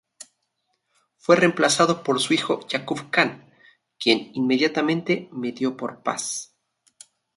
Fue reemplazado por su hijo Yakub Khan, quien inmediatamente medió por paz.